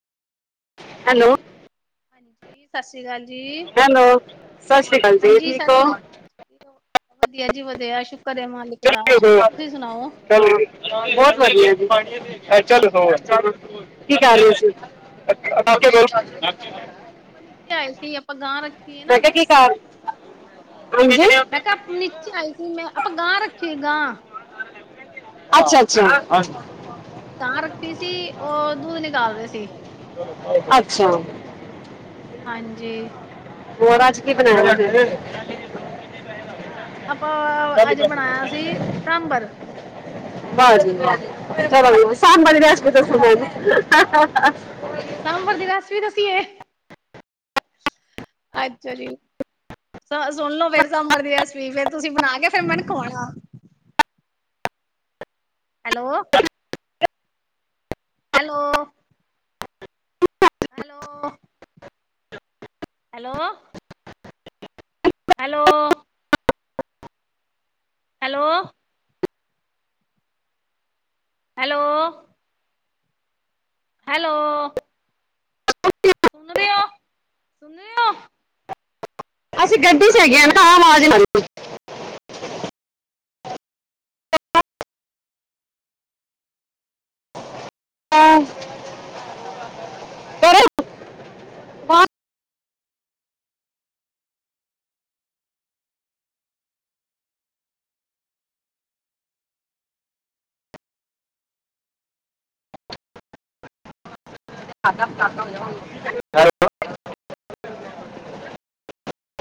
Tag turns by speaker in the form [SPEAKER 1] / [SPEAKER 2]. [SPEAKER 1] Hello.
[SPEAKER 2] ਸਤਿ ਸ੍ਰੀ ਅਕਾਲ। ਜੀ
[SPEAKER 1] ਹੈਲੋ ਸਤਿ ਸ੍ਰੀ ਅਕਾਲ ਜੀ
[SPEAKER 2] ਹਾਂਜੀ
[SPEAKER 1] ਠੀਕ
[SPEAKER 2] ਸਤਿ
[SPEAKER 1] ਹੋ?
[SPEAKER 2] ਸ੍ਰੀ ਵਧੀਆ ਜੀ ਵਧੀਆ ਸ਼ੁਕਰ ਮਾਲਿਕ। ਦਾ ਤੁਸੀਂ ਸੁਣਾਓ
[SPEAKER 1] [unintelligible]
[SPEAKER 2] ਤੁਸੀਂ ਅੱਛਾ ਜੀ
[SPEAKER 1] [unintelligible]
[SPEAKER 2] ਹੋਰ ਕੁਝ ਨੀ ਆਪਾਂ ਨੀਚੇ ਆਏ ਸੀ
[SPEAKER 1] [unintelligible]
[SPEAKER 2] ਆਪਾਂ ਗਾਂ ਰੱਖੀ ਹੈ
[SPEAKER 1] ਮੈਂ
[SPEAKER 2] ਨਾ
[SPEAKER 1] ਕਿਹਾ [unintelligible] ਹਾਂਜੀ
[SPEAKER 2] ਮੈਂ ਕਿਹਾ ਨੀਚੇ ਆਈ ਸੀ ਮੈਂ ਆਪਾਂ ਗਾਂ ਰੱਖੀ ਗਾਂ।
[SPEAKER 1] ਅੱਛਾ ਅੱਛਾ।
[SPEAKER 2] [unintelligible]
[SPEAKER 1] ਅੱਛਾ।
[SPEAKER 2] ਹਾਂਜੀ।
[SPEAKER 1] [unintelligible] ਕੀ ਬਣਾਇਆ?
[SPEAKER 2] ਆਪਾ ਆਪਾਂ ਅੱਜ ਬਣਾਇਆ ਸੀ ਸਾਂਬਰ।
[SPEAKER 1] [unintelligible]
[SPEAKER 2] ਹਾਂਜੀ [unintelligible] ਦੱਸੀਏ।
[SPEAKER 1] [inaudible]
[SPEAKER 2] ਅੱਛਾ ਜੀ। ਸੁਣ ਲੋ ਫੇਰ ਸਾਂਬਰ ਦੀ ਰੈਸਪੀ ਫੇਰ ਤੁਸੀਂ ਬਣਾ ਕੇ ਫੇਰ ਮੈਨੂੰ ਖਵਾਉਣਾ। Hello hello. Hello. Hello. Hello. Hello. Hello. Hello, ਸੁਣਦੇ ਹੋ, ਸੁਣਦੇ ਹੋ।
[SPEAKER 1] ਅਸੀਂ ਗੱਡੀ ਚ ਹੈਗੇ ਆ। ਆਵਾਜ਼ ਹ। ਪਰੋ [unintelligible]